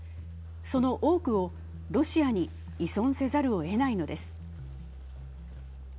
その多くをロシアに依存せざるをえないのです。